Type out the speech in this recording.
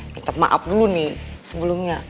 tetap maaf dulu nih sebelumnya